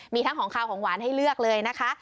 มีทั้งของขาวของหวานให้เลือกเลยนะคะ